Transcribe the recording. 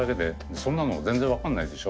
そんなの全然分かんないでしょ？